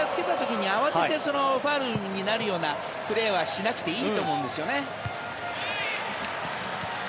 慌ててファウルになるようなプレーはしなくていいと思うんですよね。